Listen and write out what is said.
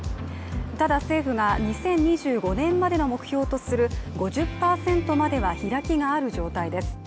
ただ、政府が２０２５年までの目標とする５０％までは開きがある状態です。